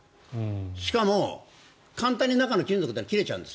しかも簡単に中の金属が切れちゃうんです。